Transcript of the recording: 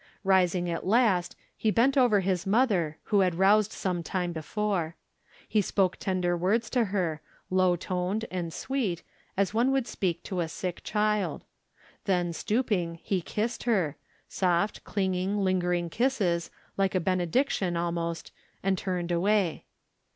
Rising at last he bent over his mother, who had roused some tune before. He spoke tender words to her, low toned and sweet, as one would speak to a sick child; then stooping, he kissed her, soft, clinging, lingering kisses, like a benediction, almost, and ttirned away.